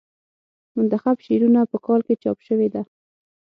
منتخب شعرونه په کال کې چاپ شوې ده.